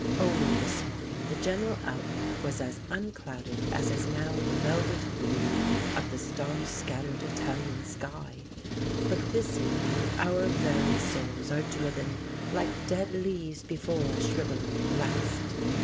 Only this morning the general out look was as unclouded as is now the velvet blue of the star scattered Italian sky, but this evening our very souls are driven like dead leaves before a shrivelling blast.